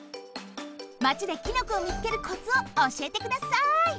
マチできのこをみつけるコツをおしえてください。